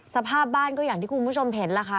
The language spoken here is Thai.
สภาพบ้านก็อย่างที่คุณผู้ชมเห็นล่ะค่ะ